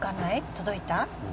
届いた？